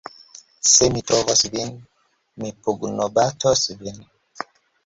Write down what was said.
Se mi trovos vin, mi pugnobatos vin!